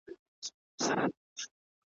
پکښی ځای سوي دي `